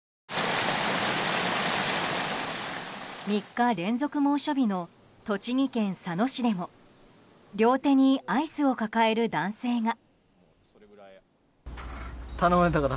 ３日連続猛暑日の栃木県佐野市でも両手にアイスを抱える男性が。